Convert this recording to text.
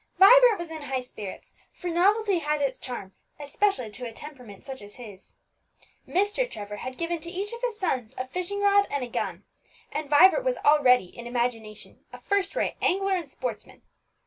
Vibert was in high spirits, for novelty has its charm, especially to a temperament such as his. Mr. Trevor had given to each of his sons a fishing rod and a gun; and Vibert was already, in imagination, a first rate angler and sportsman.